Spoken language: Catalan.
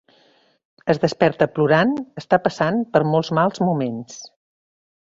Es desperta plorant, està passant per molts mals moments.